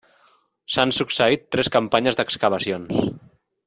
S'han succeït tres campanyes d'excavacions.